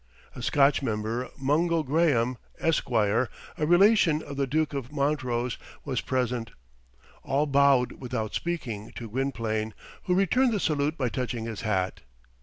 A Scotch member, Mungo Graham, Esquire, a relation of the Duke of Montrose, was present. All bowed, without speaking, to Gwynplaine, who returned the salute by touching his hat.